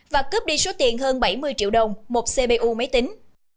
và cướp đi số tiền hơn bảy mươi triệu đồng một cpu máy tính